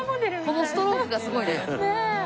このストロークがすごいね。